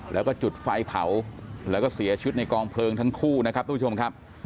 แล้วก็จุดไฟเผาแล้วก็เสียชีวิตในกองเพลิงทั้งคู่นะครับทุกผู้ชมครับ